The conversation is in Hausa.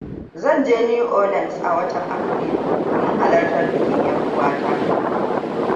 Zan je New Oeleans a watan Afrilu, domin halartar bikin ƴar uwata.